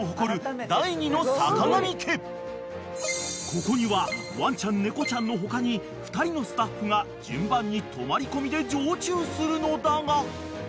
［ここにはワンちゃん猫ちゃんの他に２人のスタッフが順番に泊まり込みで常駐するのだが現在生活に必要な家電が一切ないため